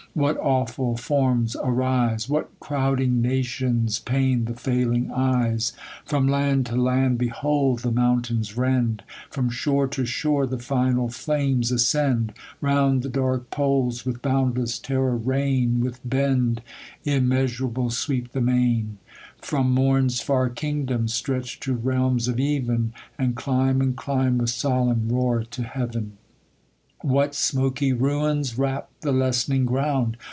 What awful forms arise ! What crowding nations pain the failing eyes ! From land to land behold the mountains rend ; From shore to shore the fmal flames ascend ; Round the dark poles with boundless terror reign, With bend immeasurable sweep the main ; From morn's far kingdoms stretch to realms of even And climb and climb with solemn roar to heaven. What smoky ruins wrap the lessening ground